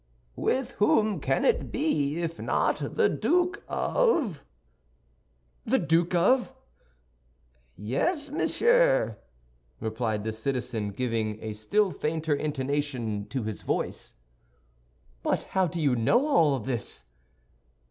"With whom can it be, if not the Duke of—" "The Duke of—" "Yes, monsieur," replied the citizen, giving a still fainter intonation to his voice. "But how do you know all this?"